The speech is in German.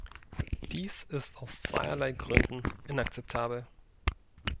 Dies ist aus zweierlei Gründen inakzeptabel.